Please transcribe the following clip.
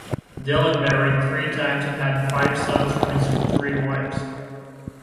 Dillon married three times and had five sons from his three wives.